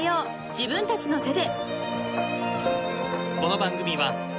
自分たちの手で］